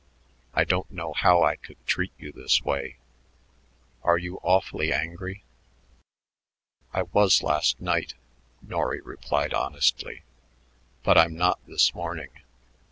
I don't know how I could treat you this way. Are you awfully angry?" "I was last night," Norry replied honestly, "but I'm not this morning.